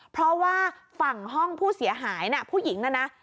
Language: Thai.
เพราะว่าฝั่งห้องผู้เสียหายน่ะผู้หญิงนะนะ